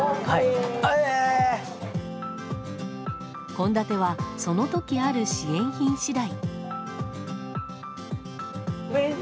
献立は、その時ある支援品次第。